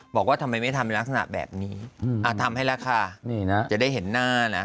บอกว่าทำไมไม่ทำในลักษณะแบบนี้ทำให้ราคานี่นะจะได้เห็นหน้านะ